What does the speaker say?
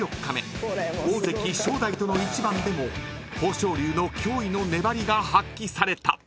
［大関正代との一番でも豊昇龍の驚異の粘りが発揮された］